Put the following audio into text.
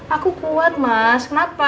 aku kuat mas kenapa